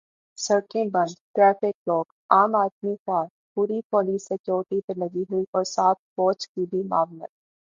سڑکیں بند، traffic block, عام آدمی خوار، پوری پولیس سکیورٹی پہ لگی ہوئی اور ساتھ فوج کی بھی معاونت۔